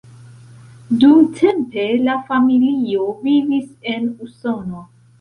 Dumtempe la familio vivis en Usono.